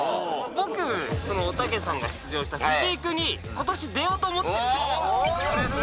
僕おたけさんが出場したフィジークに今年出ようと思ってるんです。